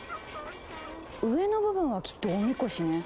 上の部分はきっとおみこしね。